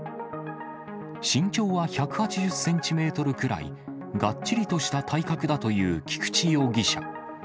身長は１８０センチメートルくらい、がっちりとした体格だという菊池容疑者。